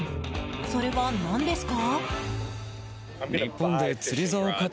それは何ですか？